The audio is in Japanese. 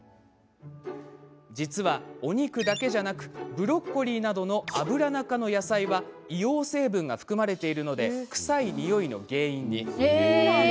実は、お肉だけじゃなくブロッコリーなどのアブラナ科の野菜は硫黄成分が含まれているので臭いにおいの原因に。